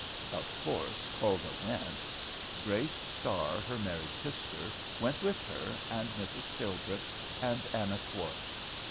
Of course Huldah went. Grace Starr, her married sister, went with her, and Mrs. Philbrick, and Anna Thwart.